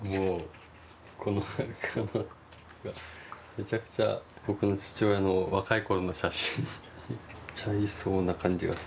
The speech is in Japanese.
めちゃくちゃ僕の父親の若い頃の写真めっちゃいそうな感じがするんですよね。